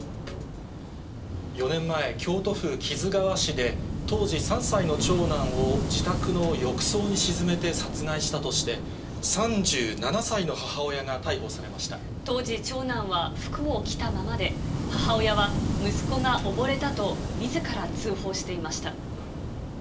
４年前、京都府木津川市で、当時３歳の長男を自宅の浴槽に沈めて殺害したとして、当時、長男は服を着たままで、母親は、息子が溺れたと、みずから通報していました。